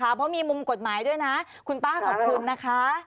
เพราะมีมุมกฎหมายด้วยนะคุณป้าขอบคุณนะคะ